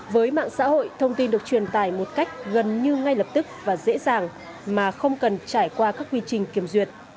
với mạng xã hội thông tin được truyền tải một cách gần như ngay lập tức và dễ dàng mà không cần trải qua các quy trình kiểm duyệt